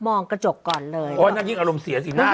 โอ๊ยนั่นยิ่งอร่มเสียเนอะ